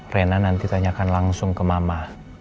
rena nanti tanyakan langsung ke mama